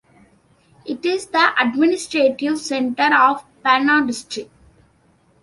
It is the administrative center of Panna District.